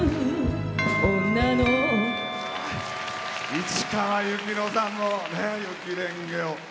市川由紀乃さんの「雪恋華」を。